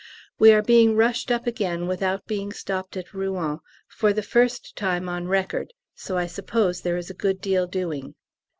We are being rushed up again without being stopped at Rouen for the first time on record, so I suppose there is a good deal doing.